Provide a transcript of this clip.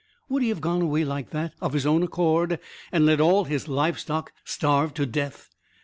Would he have gone away like that, of his own accord, and let all his livestock starve to death?